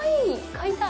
買いたい！